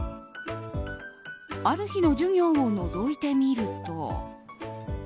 ある日の授業をのぞいてみると。